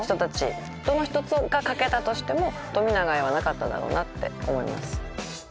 どの１つが欠けたとしても冨永愛はなかっただろうなって思います。